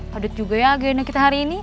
padat juga ya agenda kita hari ini